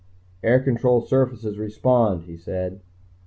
"Air control surfaces respond," he said.